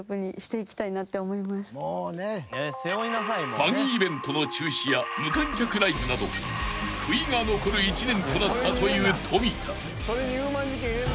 ［ファンイベントの中止や無観客ライブなど悔いが残る一年となったという富田］